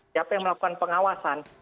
siapa yang melakukan pengawasan